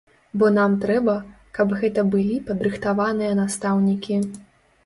Бо нам трэба, каб гэта былі падрыхтаваныя настаўнікі.